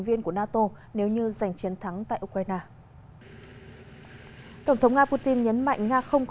viên của nato nếu như giành chiến thắng tại ukraine tổng thống nga putin nhấn mạnh nga không